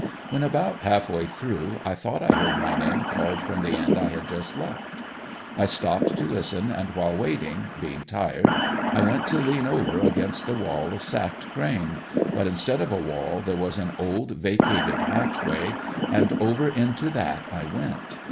When about half way through I thought I heard my name called from the end I had just left; I stopped to listen and while waiting, being tired, I went to lean over against the wall of sacked grain, but instead of a wall there was an old vacated hatchway and over into that I went.